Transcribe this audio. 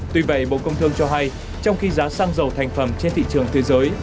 tuy vậy bộ công thương cho hay trong khi giá xăng dầu thành phẩm trên thị trường thế giới